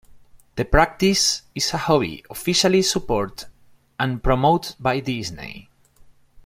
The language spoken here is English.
The practice is a hobby officially supported and promoted by Disney.